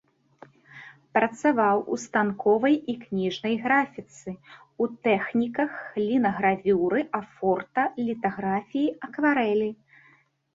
Працаваў у станковай і кніжнай графіцы, у тэхніках лінагравюры, афорта, літаграфіі, акварэлі.